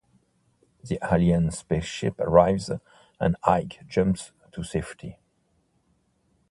The alien spaceship arrives and Ike jumps to safety.